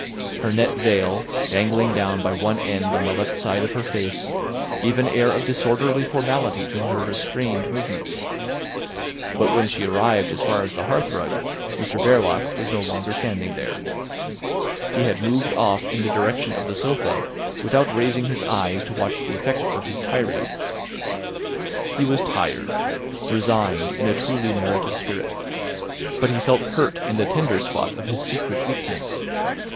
Her net veil dangling down by one end on the left side of her face gave an air of disorderly formality to her restrained movements. But when she arrived as far as the hearthrug, Mr Verloc was no longer standing there. He had moved off in the direction of the sofa, without raising his eyes to watch the effect of his tirade. He was tired, resigned in a truly marital spirit. But he felt hurt in the tender spot of his secret weakness.